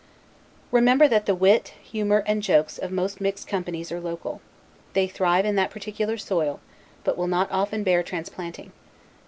Remember that the wit, humor, and jokes, of most mixed companies are local. They thrive in that particular soil, but will not often bear transplanting.